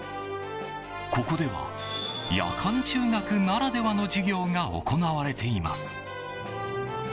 ここでは夜間中学ならではの授業が行われています。